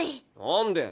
何で？